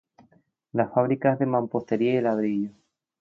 La fábrica es de mampostería y ladrillo.